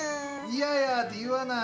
嫌やって言わない。